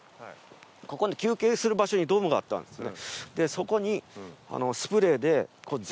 ここの休憩するところに、ドームがあったんですよね。